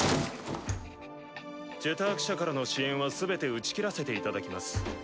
「ジェターク社」からの支援は全て打ち切らせていただきます。